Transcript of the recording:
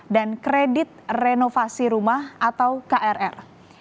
dan kredit renovasi rumah atau krr